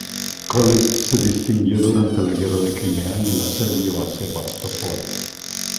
Coles se distinguió durante la Guerra de Crimea en el asedio a Sebastopol.